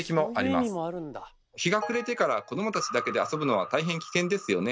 日が暮れてから子どもたちだけで遊ぶのは大変危険ですよね。